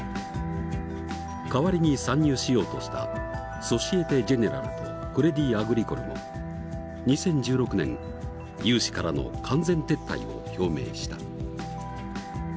代わりに参入しようとしたソシエテ・ジェネラルとクレディ・アグリコルも２０１６年融資からの完全撤退を表明した。